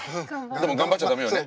でも頑張っちゃダメよね。